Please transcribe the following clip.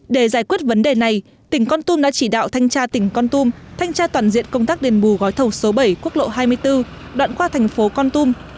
để giải quyết vấn đề này tỉnh con tum đã chỉ đạo thanh tra tỉnh con tum thanh tra toàn diện công tác đền bù gói thầu số bảy quốc lộ hai mươi bốn đoạn qua thành phố con tum